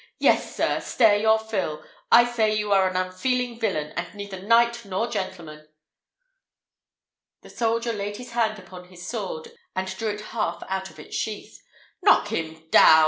"Yes, sir! stare your fill! I say you are an unfeeling villain, and neither knight nor gentleman." The soldier laid his hand upon his sword and drew it half out of its sheath. "Knock him down!